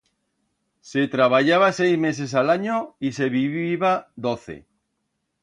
Se traballaba seis meses a l'anyo y se viviba doce.